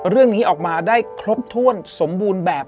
เรื่องนี้ออกมาได้ครบถ้วนสมบูรณ์แบบ